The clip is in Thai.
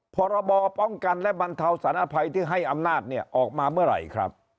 พรบป้องกันและบรรเทาสารอภัยที่ให้อำนาจเนี่ยออกมาเมื่อไหร่ครับ